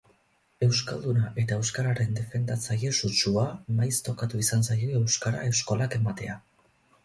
Euskalduna eta euskararen defendatzaile sutsua, maiz tokatu izan zaio euskara eskolak ematea.